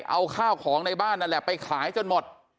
เอาข้าวของในบ้านนั่นแหละไปขายจนหมด